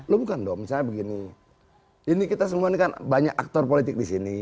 lu bukan dong misalnya begini ini kita semua ini kan banyak aktor politik di sini